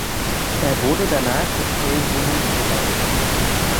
Er wurde danach mit Ferienwohnung umgebaut.